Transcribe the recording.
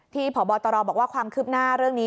ที่ผ่อบอตรอบอกว่าความคืบหน้าเรื่องนี้